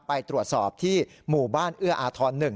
ไปตรวจสอบที่หมู่บ้านเอื้ออาทร๑